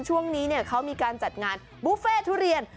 ช่วงนี้เขามีการจัดงานบุฟเฟ่ทุเรียน